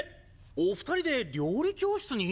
お２人で料理教室に？